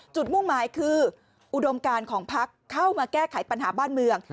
มุ่งหมายคืออุดมการของพักเข้ามาแก้ไขปัญหาบ้านเมือง